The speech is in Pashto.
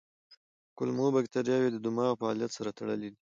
کولمو بکتریاوې د دماغ فعالیت سره تړلي دي.